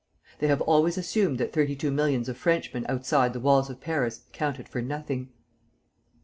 They have always assumed that thirty two millions of Frenchmen outside the walls of Paris counted for nothing.